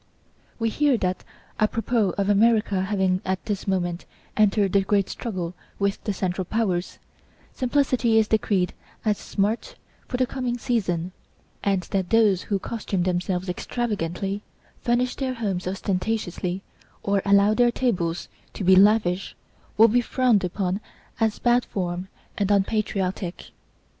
We hear that, apropos of America having at this moment entered the great struggle with the Central Powers, simplicity is decreed as smart for the coming season, and that those who costume themselves extravagantly, furnish their homes ostentatiously or allow their tables to be lavish, will be frowned upon as bad form and unpatriotic.